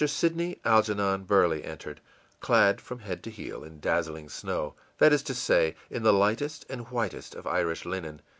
Sidney Algernon Burley entered, clad from head to heel in dazzling snow that is to say, in the lightest and whitest of Irish linen.